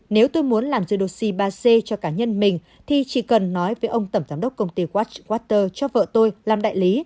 nếu tôi muốn làm giới đột xì ba c cho cá nhân mình thì chỉ cần nói với ông tầm giám đốc công ty watchwater cho vợ tôi làm đại lý